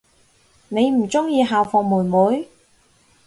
你唔鍾意校服妹妹？